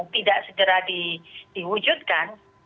tidak segera diwujudkan